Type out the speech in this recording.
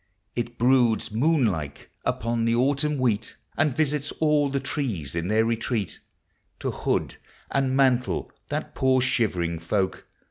It broods moon like upon the Autumn wheat, And visits all the trees in their retreal To hood and mantle that poor shivering folk.